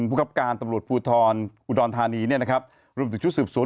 พวกรับการตำรวจภูทรอุดรธานีนะครับร่วมถึงชุดสืบศวน